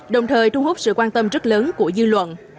đồng thời thu hút sự quan tâm rất lớn của dư luận